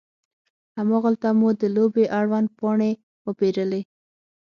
هماغلته مو د لوبې اړوند پاڼې وپیرلې.